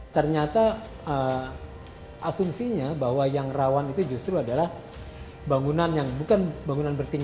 ternyata asumsinya bahwa yang rawan itutv justru adalah bangunan yang